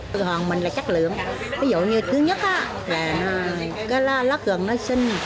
vì hoàn mình là chất lượng ví dụ như thứ nhất là lát gừng nó xinh